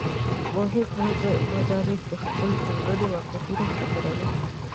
مهم مدرک د خپلې ټولنې واقعیتونو خبره ده.